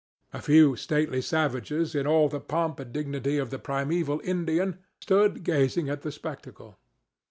A few stately savages in all the pomp and dignity of the primeval Indian stood gazing at the spectacle.